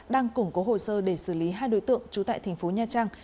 đang củng cố hồ sơ để xử lý hai đối tượng trú tại thành phố nha trang